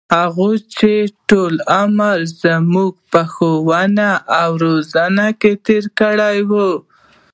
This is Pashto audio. هغـې چـې ټـول عـمر يـې زمـوږ په ښـوونه او روزنـه کـې تېـر کـړى و.